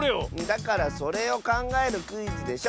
だからそれをかんがえるクイズでしょ。